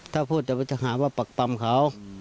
ถ้าพูดจะไปหาว่าปักปำเขา